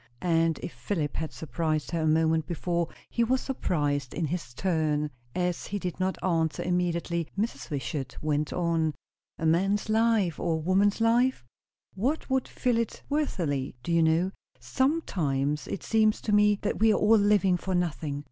And if Philip had surprised her a moment before, he was surprised in his turn. As he did not answer immediately, Mrs. Wishart went on. "A man's life, or a woman's life? What would fill it worthily? Do you know? Sometimes it seems to me that we are all living for nothing."